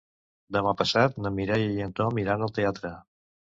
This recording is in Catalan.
Demà passat na Mireia i en Tom iran al teatre.